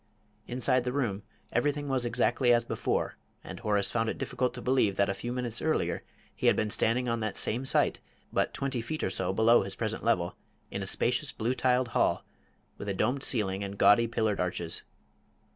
Inside the room everything was exactly as before, and Horace found it difficult to believe that a few minutes earlier he had been standing on that same site, but twenty feet or so below his present level, in a spacious blue tiled hall, with a domed ceiling and gaudy pillared arches.